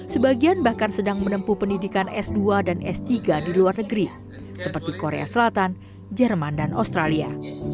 sebagian bahkan sedang menempuh pendidikan s dua dan s tiga di luar negeri seperti korea selatan jerman dan australia